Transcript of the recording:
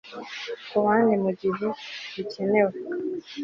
kubandi mugihe bikenewe